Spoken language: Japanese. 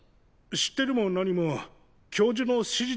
知ってるも何も教授の指示ですよ。